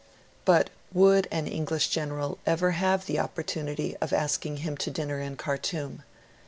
But would an English general ever have the opportunity of asking him to dinner in Khartoum?